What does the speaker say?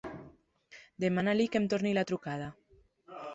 Demana-li que em torni la trucada!